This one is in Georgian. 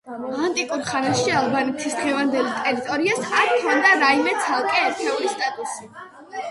ანტიკურ ხანაში ალბანეთის დღევანდელ ტერიტორიას აქ ჰქონდა რაიმე ცალკე ერთეულის სტატუსი.